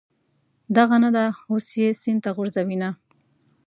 دغه نه ده، اوس یې سین ته غورځوینه.